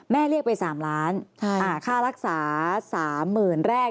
แม่เรียกไป๓ล้านค่ารักษา๓หมื่นแรก